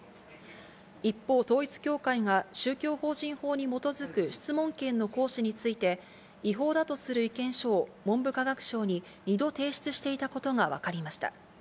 一方、統一教会が宗教法人法に基づく質問権の行使について、違法だとする意見書を文部科学省に２度提出していたことが分かりました。